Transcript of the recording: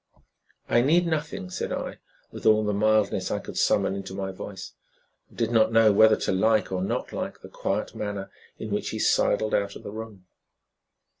"I need nothing," said I, with all the mildness I could summon into my voice; and did not know whether to like or not like the quiet manner in which he sidled out of the room.